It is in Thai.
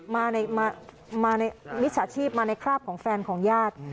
มามิจฉาชีพมาในคราบของแฟนของญาติ